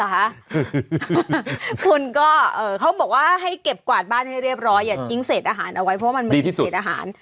หรือวะคุณก็เออเขาบอกว่าให้เก็บกวาดบ้านเรียบร้อยอย่าทิ้งเหสตอาหารออกไว้เพราะมันมีเสดอาหาร